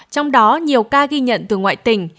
trong đó nhiều ca ghi nhận từ ngoại tỉnh